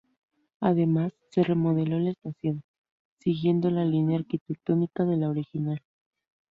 Además, se remodeló la estación, siguiendo la línea arquitectónica de la original.